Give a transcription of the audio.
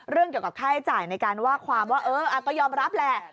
เรื่องเกี่ยวกับค่าใช้จ่ายในการว่าความว่าเออก็ยอมรับแหละ